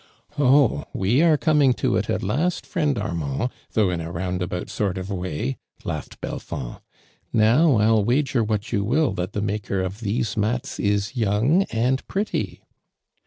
" Oh, wo arc coming to it at last, friend Armaml, though in a roundabout sort of way!" laughed Belfond. "Now, 111 wager what you will, that the maker of those mats is young, ami pretty."'